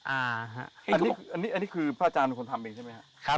อันนี้คือพระอาจารย์เป็นคนทำเองใช่ไหมครับ